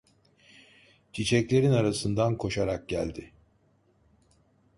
Çiçeklerin arasından koşarak geldi.